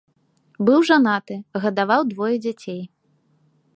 Быў жанаты, гадаваў двое дзяцей.